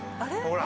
「ほら」